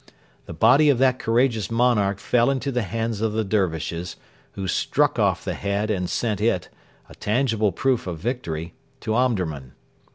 The body of that courageous monarch fell into the hands of the Dervishes, who struck off the head and sent it a tangible proof of victory to Omdurman.